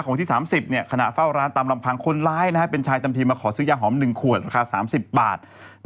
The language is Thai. วันที่๓๐ขณะเฝ้าร้านตามลำพังคนร้ายเป็นชายทำทีมาขอซื้อยาหอม๑ขวดราคา๓๐บาท